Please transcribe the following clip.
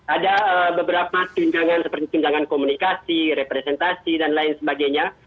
ada beberapa tunjangan seperti tunjangan komunikasi representasi dan lain sebagainya